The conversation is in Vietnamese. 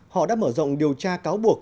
họ đã mở rộng điều tra cáo buộc